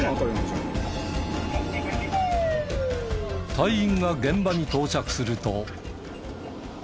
隊員が現場に到着すると。